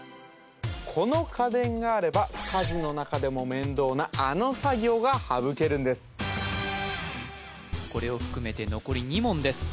この家電があれば家事の中でも面倒なあの作業が省けるんですこれを含めて残り２問です